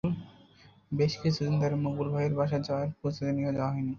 বেশ কিছুদিন ধরে মকবুল ভাইয়ের বাসায় যাওয়ার প্রস্তুতি নিয়েও যাওয়া হয়নি।